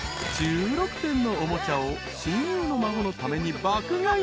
［１６点のおもちゃを親友の孫のために爆買い］